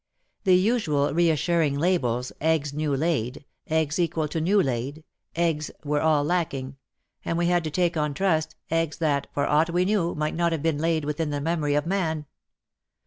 The usual reassuring labels eggs new laid," ''eggs equal to new laid," "eggs," were all lacking, and we had to take on trust, eggs that, for aught we knew, might not have been laid within the memory of man.